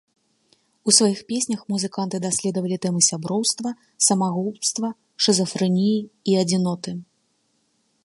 У сваіх песнях музыканты даследавалі тэмы сяброўства, самагубства, шызафрэніі і адзіноты.